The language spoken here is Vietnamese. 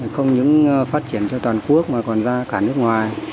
không những phát triển cho toàn quốc mà còn ra cả nước ngoài